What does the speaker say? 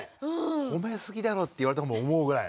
ほめすぎだろうって言われた方も思うぐらい。